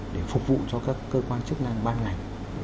để phục vụ cho các cơ quan chức năng ban ngành